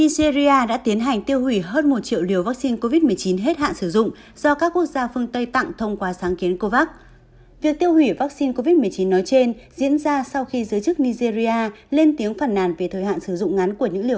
các bạn hãy đăng ký kênh để ủng hộ kênh của chúng mình nhé